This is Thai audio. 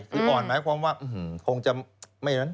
คืออ่อนหมายความว่าคงจะไม่อย่างนั้น